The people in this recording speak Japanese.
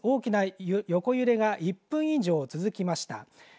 大きな横揺れが１分以上、続きました。